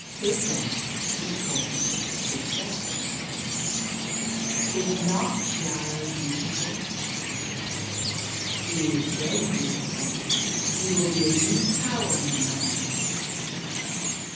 Fid Def was talking to Fid Def: " Is not Chiaro beautiful ?"" He is very beautiful. He will be a new power in the Land."